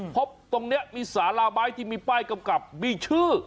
พบตรงนี้มีสาราไม้ที่มีป้ายกำกับมีชื่อ